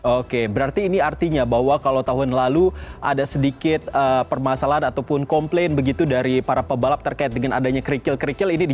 oke berarti ini artinya bahwa kalau tahun lalu ada sedikit permasalahan ataupun komplain begitu dari para pebalap terkait dengan adanya kerikil kerikil ini